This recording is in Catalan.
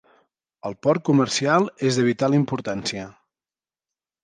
El port comercial és de vital importància.